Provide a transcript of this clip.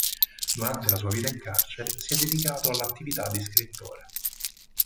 Durante la sua vita in carcere si è dedicato all'attività di scrittore.